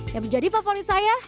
yang menjadi favorit saya